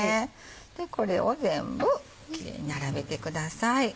でこれを全部キレイに並べてください。